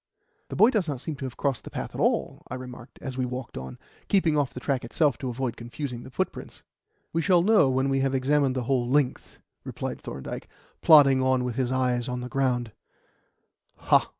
"The boy does not seem to have crossed the path at all," I remarked as we walked on, keeping off the track itself to avoid confusing the footprints. "We shall know when we have examined the whole length," replied Thorndyke, plodding on with his eyes on the ground.